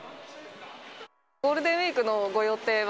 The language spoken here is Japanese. ゴールデンウィークのご予定